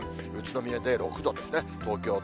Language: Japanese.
宇都宮で６度ですね。